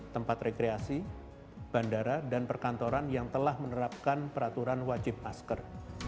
tempat rekreasi bandara dan perkantoran yang telah menerapkan peraturan wajib masker